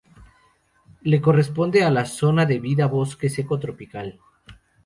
Le corresponde a la zona de vida bosque seco tropical.